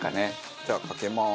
じゃあかけます。